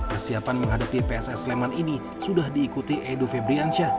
persiapan menghadapi pss sleman ini sudah diikuti edo febriansyah